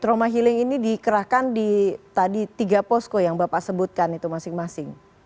trauma healing ini dikerahkan di tadi tiga posko yang bapak sebutkan itu masing masing